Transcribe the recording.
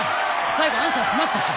最後アンサー詰まったし！